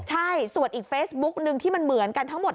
ใช่ส่วนอีกเฟซบุ๊กนึงที่มันเหมือนกันทั้งหมด